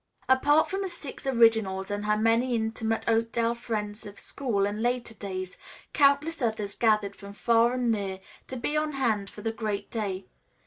Apart from the Six Originals and her many intimate Oakdale friends of school and later days, countless others gathered from far and near to be on hand for the great day.